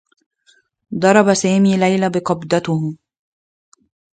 ضرب سامي ليلى بقبضتيه.